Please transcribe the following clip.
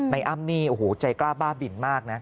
อ้ำนี่โอ้โหใจกล้าบ้าบินมากนะ